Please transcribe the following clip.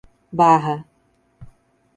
Barra